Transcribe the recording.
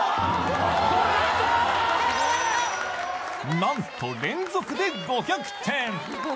なんと連続で５００点。